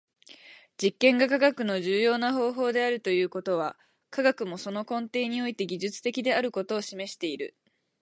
実験が科学の重要な方法であるということは、科学もその根底において技術的であることを示している。